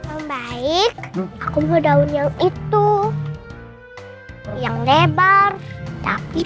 om baik ambil buat nanti kita pakai